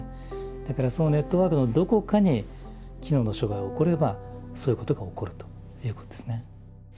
だからそのネットワークのどこかに機能の障害が起こればそういうことが起こるということですね。